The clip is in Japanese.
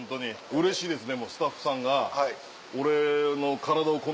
うれしいですね